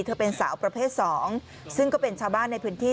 เธอเป็นสาวประเภทสองซึ่งก็เป็นชาวบ้านในพื้นที่